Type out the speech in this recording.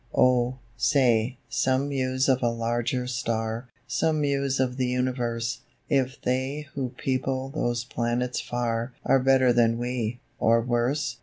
Oh, say, some muse of a larger star, Some muse of the Universe, If they who people those planets far Are better than we, or worse?